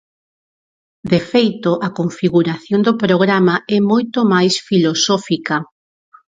De feito, a configuración do programa é moito máis filosófica.